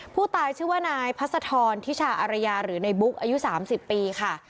ผู้ตายชื่อว่านายพัศธรทิชาอารยาหรือในบุ๊กอายุ๓๐ปีค่ะ